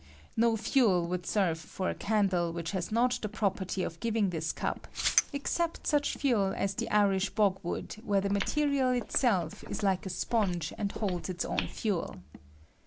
No fuel would serve for a candle which has not the property of giving this cup, except such fUel as the Irish bog wood, where the material itself is Hke a sponge and holds its own fuel.